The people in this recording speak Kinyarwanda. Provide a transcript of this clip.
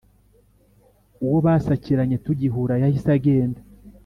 Uwo basakiranye tugihura yahise agenda